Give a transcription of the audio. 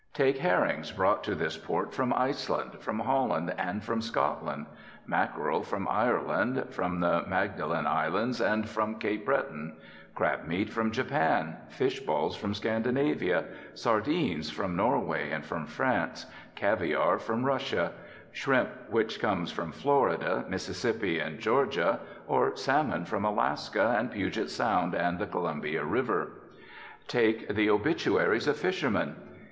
Take herrings brought to this port from Iceland, from Holland, and from Scotland; mackerel from Ireland, from the Magdalen Islands, and from Cape Breton; crabmeat from Japan; fishballs from Scandinavia; sardines from Norway and from France; caviar from Russia; shrimp which comes from Florida, Mississippi, and Georgia, or salmon from Alaska, and Puget Sound, and the Columbia River. Take the obituaries of fishermen.